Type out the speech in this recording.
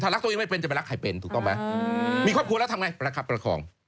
รักตัวเองไม่เป็นจะไปรักใครเป็นถูกต้องไหมมีครอบครัวแล้วทำไงประคับประคอง